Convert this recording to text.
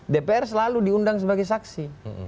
dpr selalu diundang sebagai saksi